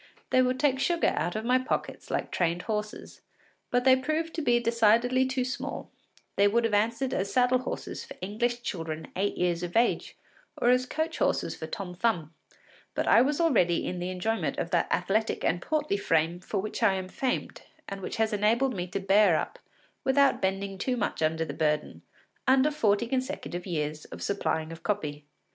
They would take sugar out of my pockets like trained horses. But they proved to be decidedly too small; they would have answered as saddle horses for English children eight years of age, or as coach horses for Tom Thumb, but I was already in the enjoyment of that athletic and portly frame for which I am famed, and which has enabled me to bear up, without bending too much under the burden, under forty consecutive years of supplying of copy.